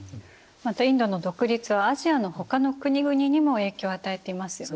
またインドの独立はアジアのほかの国々にも影響を与えていますよね。